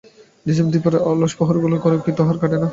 নিঝুম দুপুরের অলস প্রহরগুলি ঘরে কি তাহার কাটে না?